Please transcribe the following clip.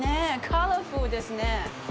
カラフルですね。